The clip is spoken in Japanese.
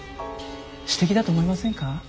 詩的だと思いませんか？